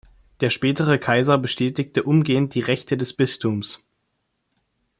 Der spätere Kaiser bestätigte umgehend die Rechte des Bistums.